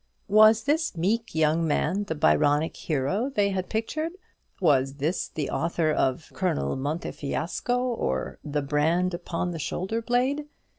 Was this meek young man the Byronic hero they had pictured? Was this the author of "Colonel Montefiasco, or the Brand upon the Shoulder blade?"